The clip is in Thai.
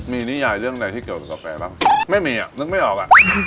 มีนิยายเรื่องใดที่เกี่ยวกับกาแฟบ้างไม่มีอ่ะนึกไม่ออกอ่ะ